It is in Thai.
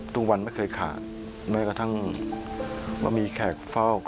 ทุกวันไม่เคยขาดไม่กระทั่งว่ามีแขกเฝ้า